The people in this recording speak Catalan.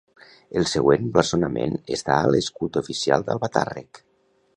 El següent blasonament està a l'escut oficial d'Albatàrrec.